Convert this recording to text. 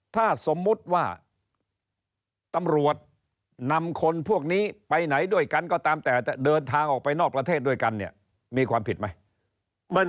ถ้าสมมุติว่าตำรวจนำคนพวกนี้ไปไหนด้วยกันก็ตามแต่เดินทางออกไปนอกประเทศด้วยกันเนี่ยมีความผิดไหม